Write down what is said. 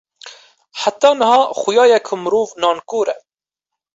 heta niha xuya ye ku mirov nankor e